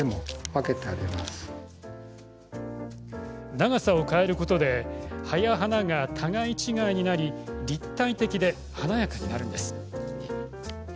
長さを変えることで葉や花が互い違いになり立体的で華やかになるんです。